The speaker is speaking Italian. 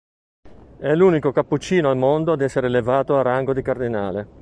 È l'unico cappuccino al mondo ad essere elevato al rango di cardinale.